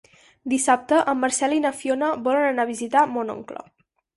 Dissabte en Marcel i na Fiona volen anar a visitar mon oncle.